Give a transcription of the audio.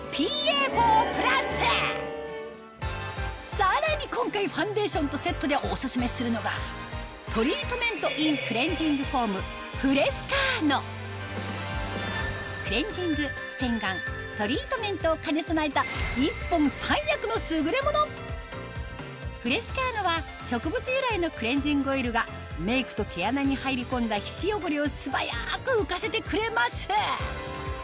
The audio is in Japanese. さらに今回ファンデーションとセットでオススメするのがを兼ね備えた１本３役の優れものフレスカーノは植物由来のクレンジングオイルがメイクと毛穴に入り込んだ皮脂汚れを素早く浮かせてくれます